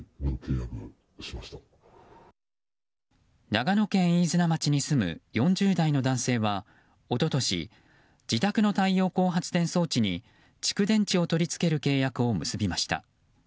長野県飯綱町に住む４０代の男性は一昨年、自宅の太陽光発電装置に蓄電池を取り付ける契約を結びました。